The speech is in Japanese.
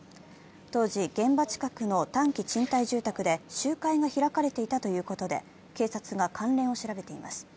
当時、現場近くの短期賃貸住宅で集会が開かれていたということで警察が関連を調べています。